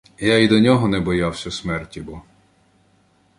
Я і до нього "не боявся смерті", бо.